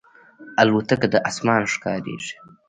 الوتکه د اسمان ښکاریږي.